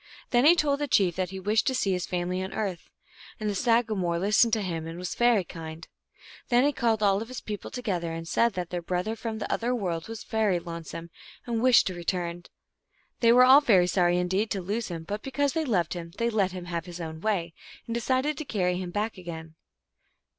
Then he told the chief that he wished to see his family on earth, and the sagamore listened to him and was very kind. Then he called all his people together, and said that their brother from the other world was very lonesome, and wished to return. They were all very sorry indeed to lose him, but because they loved him they let him have his own way, and decided to carry him back again.